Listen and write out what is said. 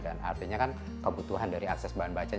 dan artinya kan kebutuhan dari akses bahan bacaan